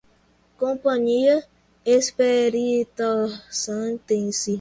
Companhia Espíritossantense